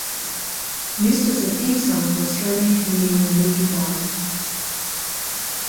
Used as a theme song for Australian comedian Lukey Bolland.